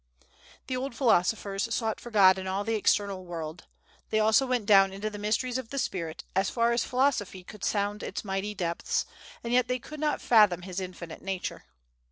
The old philosophers sought for God in all the external world; they also went down into the mysteries of the spirit, as far as philosophy could sound its mighty depths, and yet they could not fathom his infinite nature.